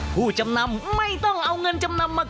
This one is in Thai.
ผู้จำนำไม่ต้องเอาเงินจำนำมา